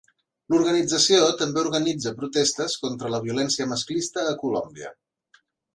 L'organització també organitza protestes contra la violència masclista a Colòmbia.